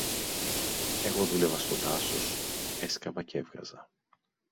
Εγώ δούλευα στο δάσος, έσκαβα κι έβγαζα.